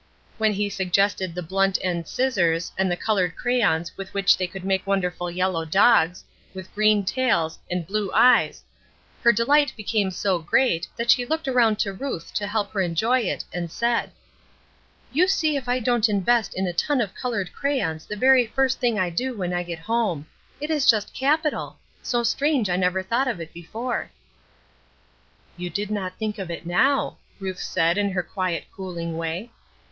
When he suggested the blunt end scissors, and the colored crayons with which they could make wonderful yellow dogs, with green tails and blue eyes, her delight became so great that she looked around to Ruth to help her enjoy it, and said: "You see if I don't invest in a ton of colored crayons the very first thing I do when I get home; it is just capital! So strange I never thought of it before." "You did not think of it now," Ruth said, in her quiet cooling way.